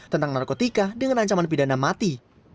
tentang narkotika dengan ancaman pidana mati